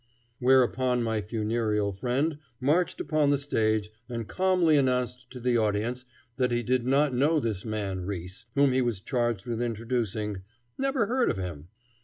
Whereupon my funereal friend marched upon the stage and calmly announced to the audience that he did not know this man Riis, whom he was charged with introducing, never heard of him.